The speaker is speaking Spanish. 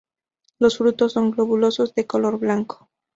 Los frutos son globosos de color blanco.